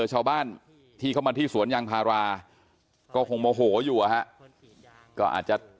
ชาวบ้านที่เข้ามาที่สวนยางพาราก็คงโมโหอยู่ก็อาจจะ